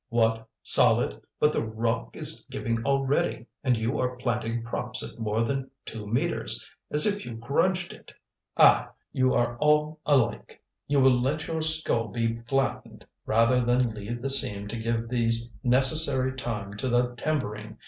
"What! solid! but the rock is giving already, and you are planting props at more than two metres, as if you grudged it! Ah! you are all alike. You will let your skull be flattened rather than leave the seam to give the necessary time to the timbering!